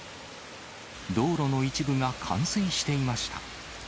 道路の一部が冠水していました。